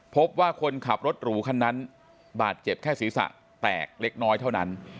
พบว่าคนขับรถหรูคันนั้นบาดเจ็บแค่ศีรษะแตกเล็กน้อยเท่านั้น